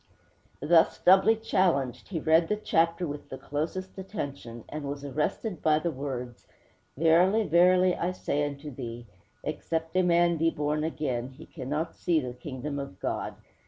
Thus doubly challenged, he read the chapter with the closest attention, and was arrested by the words: '_Verily, verily, I say unto thee, Except a man be born again, he cannot see the Kingdom of God!